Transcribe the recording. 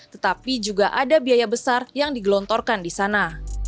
tetapi juga ada biaya besar yang digelontorkan di sana